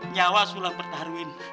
nyawa sulam pertaruhin